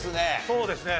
そうですね。